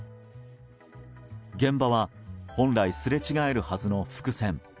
現場は、本来すれ違えるはずの複線。